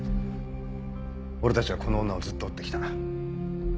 俺たちはこの女をずっと追って来た。